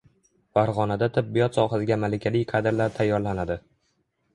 Farg‘onada tibbiyot sohasiga malakali kadrlar tayyorlanadi